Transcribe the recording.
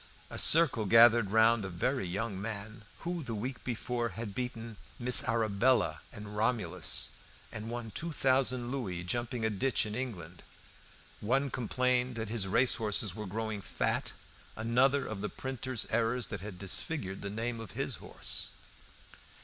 A circle gathered round a very young man who the week before had beaten "Miss Arabella" and "Romolus," and won two thousand louis jumping a ditch in England. One complained that his racehorses were growing fat; another of the printers' errors that had disfigured the name of his horse.